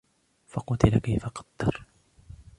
فقتل كيف قدر